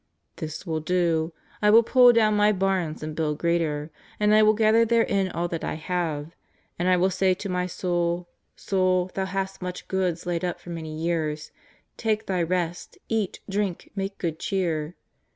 This will I do. I will pull down my harns and build greater, and I will gather therein all that I have. And I will say to my soul : Soul, thou hast much goods laid up for many years ; take thy rest, eat, drink, make good cheer."